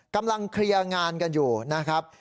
กำลังเคลียร์งานกันอยู่นะครับ